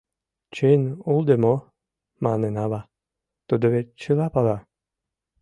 — Чын улде мо, — манын ава, — тудо вет чыла пала.